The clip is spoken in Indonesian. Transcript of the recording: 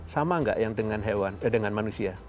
sama nggak yang dengan manusia